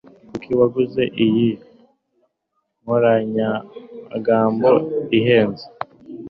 Kuki waguze iyi nkoranyamagambo ihenze?